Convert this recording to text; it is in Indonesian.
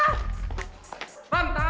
ram tangan ram